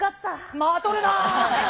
間とるな。